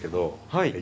はい。